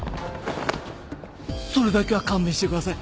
それだけは勘弁してください